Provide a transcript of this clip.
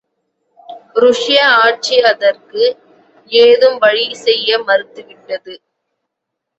ருஷ்ய ஆட்சி அதற்கு ஏதும் வழி செய்ய மறுத்து விட்டது.